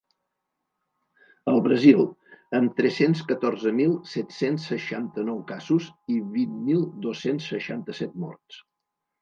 El Brasil, amb tres-cents catorze mil set-cents seixanta-nou casos i vint mil dos-cents seixanta-set morts.